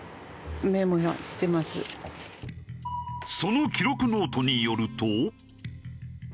その記録ノートによると。